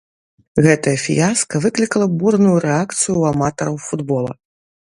Гэтае фіяска выклікала бурную рэакцыю ў аматараў футбола.